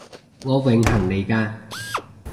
我榮幸嚟嘅